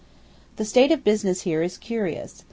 The state of business here is curious.